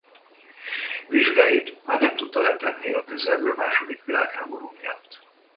Vizsgáit már nem tudta letenni a közelgő második világháború miatt.